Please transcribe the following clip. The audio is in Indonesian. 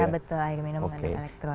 iya betul air minum mengandung elektrol